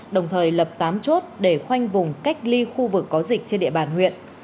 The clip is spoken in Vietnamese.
đồng thời lập tám chốt để khoanh vùng cách ly khu vực có dịch trên địa bàn huyện